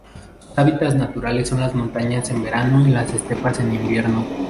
Sus hábitats naturales son las montañas en verano y las estepas en invierno.